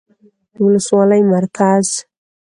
، د ولسوالۍ مرکز